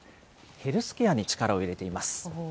ヘルスケアに力を入れています。